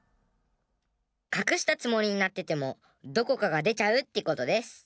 かくしたつもりになっててもどこかがでちゃうってことデス。